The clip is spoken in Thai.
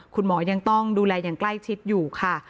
คุณหมอยังต้องดูแลอย่างใกล้ชิดอยู่ค่ะ